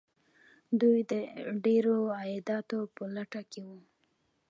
دوی د ډیرو عایداتو په لټه کې وو.